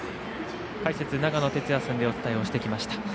解説、長野哲也さんでお伝えをしてきました。